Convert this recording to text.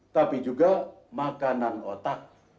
tapi juga makanan otak